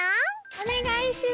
おねがいします。